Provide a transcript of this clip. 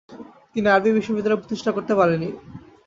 তিনি আরবি বিশ্ববিদ্যালয় প্রতিষ্ঠা করতে পারেনি।